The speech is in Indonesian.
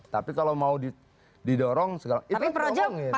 tapi kalau mau didorong itu didorongin